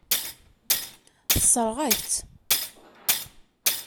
Tessṛeɣ-ak-tt.